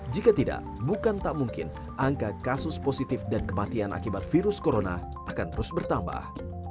jika tidak bukan tak mungkin angka kasus positif dan kematian akibat virus corona akan terus bertambah